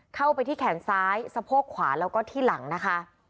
เข้าไปที่แขนซ้ายสะโพกขวาแล้วก็ที่หลังนะคะ